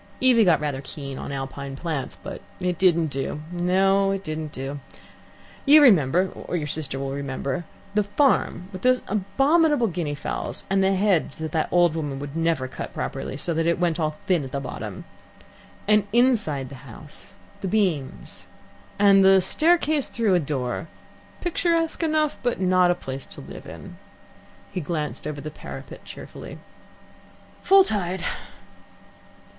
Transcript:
Evie got rather keen on Alpine plants. But it didn't do no, it didn't do. You remember, or your sister will remember, the farm with those abominable guinea fowls, and the hedge that the old woman never would cut properly, so that it all went thin at the bottom. And, inside the house, the beams and the staircase through a door picturesque enough, but not a place to live in." He glanced over the parapet cheerfully. "Full tide.